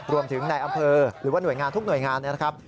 รวมถึงในอำเภอหรือว่าหน่วยงานทุกหน่วยงานนะครับ